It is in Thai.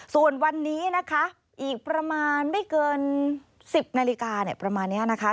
ส่วนวันนี้นะคะอีกประมาณไม่เกิน๑๐นาฬิกาประมาณนี้นะคะ